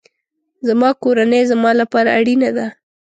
زما کورنۍ زما لپاره اړینه ده